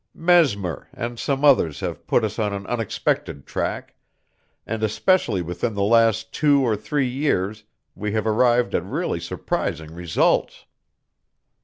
Mesmer and some others have put us on an unexpected track, and especially within the last two or three years, we have arrived at really surprising results."